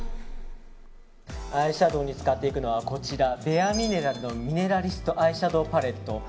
アイシャドーに使っていくのはベアミネラルのミネラリストアイシャドウパレット。